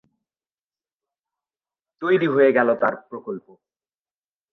তৈরী হয়ে গেল তার প্রকল্প।